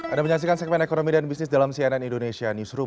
anda menyaksikan segmen ekonomi dan bisnis dalam cnn indonesia newsroom